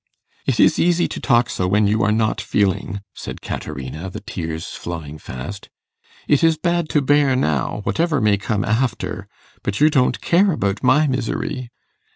'It is easy to talk so when you are not feeling,' said Caterina, the tears flowing fast. 'It is bad to bear now, whatever may come after. But you don't care about my misery.